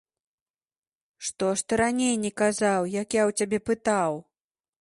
Што ж ты раней не казаў, як я ў цябе пытаў?